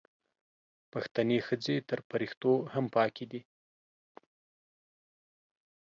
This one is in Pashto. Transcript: پښتنې ښځې تر فریښتو هم پاکې دي